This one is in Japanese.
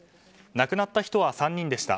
亡くなった人は３人でした。